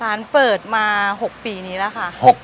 ร้านเปิดมา๖ปีนี้แล้วค่ะ